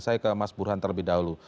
saya ke mas burhan terlebih dahulu